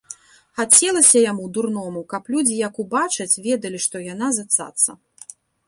Хацелася яму, дурному, каб людзі, як убачаць, ведалі, што яна за цаца.